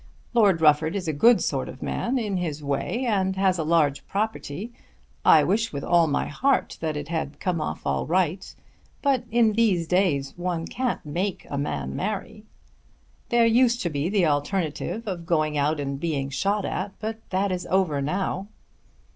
Lord Rufford is a good sort of man in his way, and has a large property. I wish with all my heart that it had come off all right; but in these days one can't make a man marry. There used to be the alternative of going out and being shot at; but that is over now."